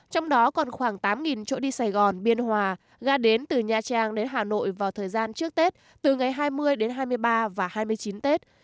trong đó còn khoảng tám chỗ đi sài gòn biên hòa ga đến từ nha trang đến hà nội vào thời gian trước tết từ ngày hai mươi đến hai mươi ba và hai mươi chín tết